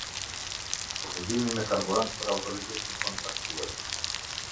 Furnizimi me karburant për Autoritetin Kontraktues